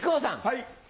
はい。